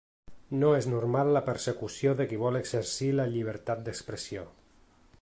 No és normal la persecució de qui vol exercir la llibertat d’expressió.